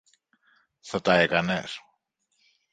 θα τα έκανες;